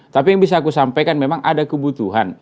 tapi yang bisa aku sampaikan memang ada kebutuhan